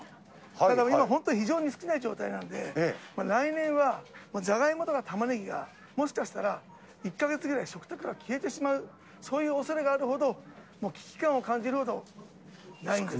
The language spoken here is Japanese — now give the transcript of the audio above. だから今、非常に少ない状態なんで、来年はジャガイモとかタマネギがもしかしたら１か月ぐらい食卓から消えてしまう、そういうおそれがあるほどもう危機感を感じるほどないんです。